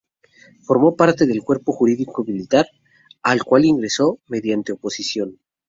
Formó parte del Cuerpo Jurídico Militar, al cual ingresó mediante oposición.